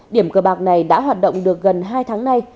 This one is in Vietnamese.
điểm cờ bạc này đã hoạt động được gần hai tháng nay